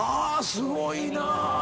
すごいなぁ。